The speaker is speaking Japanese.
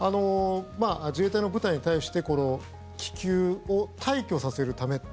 自衛隊の部隊に対して気球を退去させるため。